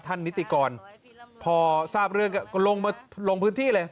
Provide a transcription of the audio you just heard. นิติกรพอทราบเรื่องก็ลงพื้นที่เลย